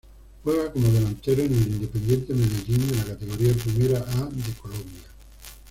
Juega como delantero en el Independiente Medellín de la Categoría Primera A de Colombia.